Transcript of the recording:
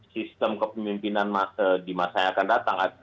sistem kepemimpinan di masa yang akan datang